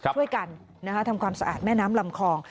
ช่วยกันทำความสะอาดแม่น้ำลำคลอง